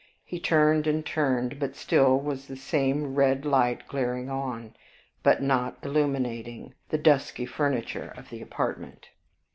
He turned and turned, but still there was the same red light glaring on, but not illuminating, the dusky furniture of the apartment.